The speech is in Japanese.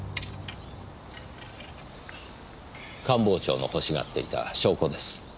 官房長の欲しがっていた証拠です。